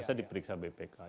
masa diperiksa bpk